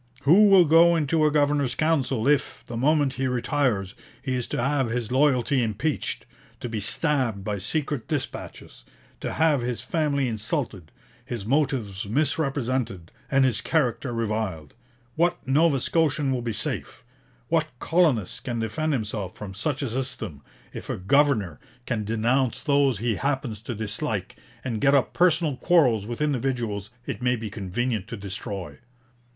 Who will go into a Governor's Council if, the moment he retires, he is to have his loyalty impeached; to be stabbed by secret dispatches; to have his family insulted; his motives misrepresented, and his character reviled? What Nova Scotian will be safe? What colonist can defend himself from such a system, if a governor can denounce those he happens to dislike and get up personal quarrels with individuals it may be convenient to destroy?'